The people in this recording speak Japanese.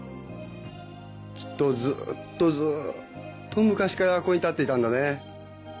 きっとずっとずっと昔からここに立っていたんだね。